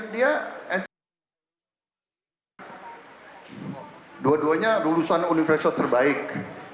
dia dua duanya lulusan universitas terbaik